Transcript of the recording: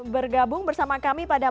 bergabung bersama kami pada